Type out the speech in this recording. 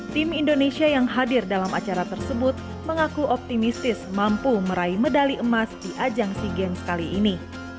tim indonesia yang hadir dalam acara tersebut mengaku optimistis mampu meraih medali emas di ajang sea games kali ini